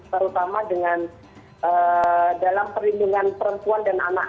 terutama dengan dalam perlindungan perempuan dan anak